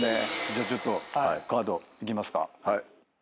ちょっとカードいきますか。